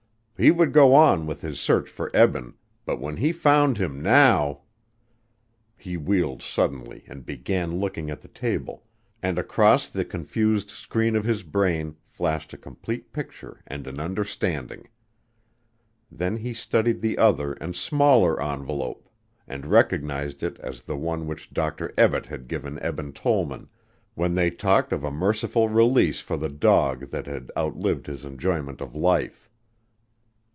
He would go on with his search for Eben, but when he found him now ! He wheeled suddenly and began looking at the table, and across the confused screen of his brain flashed a complete picture and an understanding. Then he studied the other and smaller envelope and recognized it as the one which Dr. Ebbett had given Eben Tollman when they talked of a merciful release for the dog that had outlived his enjoyment of life.